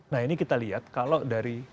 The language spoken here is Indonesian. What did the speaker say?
nah ini kita lihat kalau dari